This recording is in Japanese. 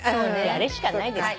あれしかないです。